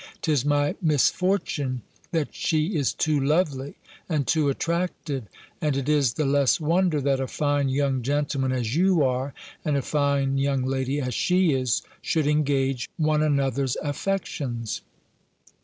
'Tis my misfortune, that she is too lovely, and too attractive: and it is the less wonder, that a fine young gentleman as you are, and a fine young lady as she is, should engage one another's affections.